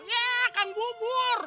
ya kagak bubur